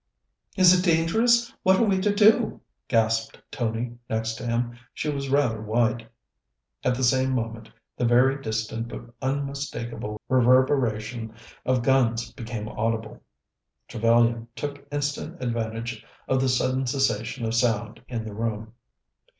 "Is it dangerous? What are we to do?" gasped Tony, next him. She was rather white. At the same moment the very distant but unmistakable reverberation of guns became audible. Trevellyan took instant advantage of the sudden cessation of sound in the room.